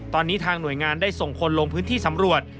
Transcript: ตอนนี้ทางหน่วยงานได้ส่งคนลงพื้นที่สำรวจ